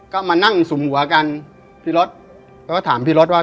ก็มานั่งสุ่มหัวกันพี่รถแล้วก็ถามพี่รถว่า